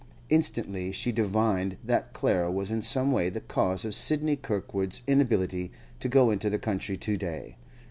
Instantly she divined that Clara was in some way the cause of Sidney Kirkwood's inability to go into the country to day.